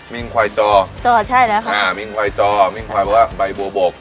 มิ่งควายจอจอใช่แล้วค่ะอ่ามิ่งควายจอมิ่งควายบอกว่าใบบัวบก